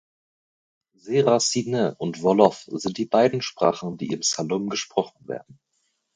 Serer-Sine und Wolof sind die beiden Sprachen, die im Saloum gesprochen werden.